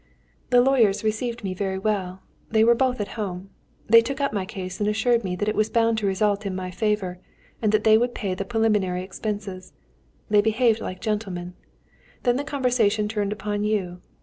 "The lawyers received me very well. They were both at home. They took up my case and assured me that it was bound to result in my favour, and that they would pay the preliminary expenses. They behaved like gentlemen. Then the conversation turned upon you.